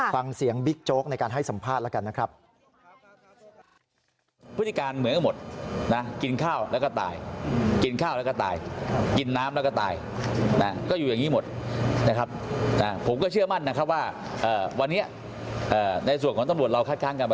ฟังเสียงบิ๊กโจ๊กในการให้สัมภาษณ์แล้วกันนะครับ